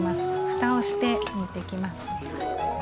ふたをして煮ていきますね。